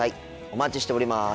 お待ちしております。